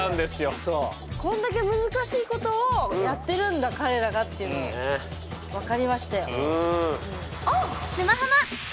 こんだけ難しいことをやってるんだ彼らがっていうのを分かりましたよ。